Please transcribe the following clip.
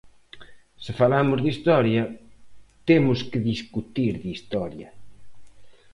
Se falamos de historia, temos que discutir de historia.